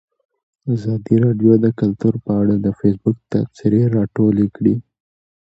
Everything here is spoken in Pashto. ازادي راډیو د کلتور په اړه د فیسبوک تبصرې راټولې کړي.